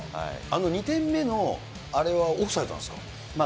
あの２点目のあれは、オフサイドなんですか？